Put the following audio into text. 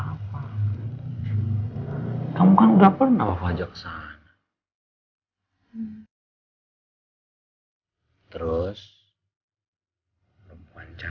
gimana rumah drie gr semua game nasty tiada